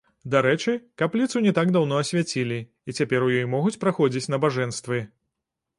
Дарэчы, капліцу не так даўно асвяцілі, і цяпер у ёй могуць праходзіць набажэнствы.